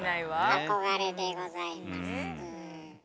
憧れでございます。